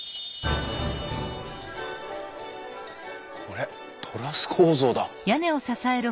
これトラス構造だ！